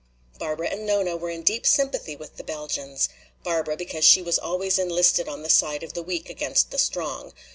Barbara and Nona were in deep sympathy with the Belgians. Barbara because she was always enlisted on the side of the weak against the strong.